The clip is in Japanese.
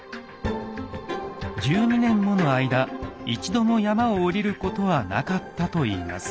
１２年もの間一度も山を下りることはなかったといいます。